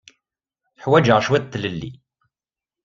Ḥwaǧeɣ cwiṭ n tlelli.